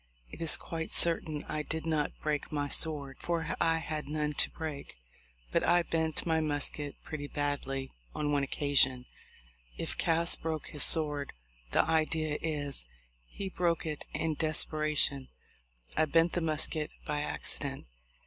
It is quite certain I did not break my sword, for I had none to break, but I bent my musket pretty badly on one occasion. If Cass broke his sword, the idea is, he broke it in desparation; I bent the musket by accident.